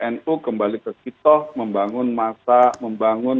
nu kembali ke kita membangun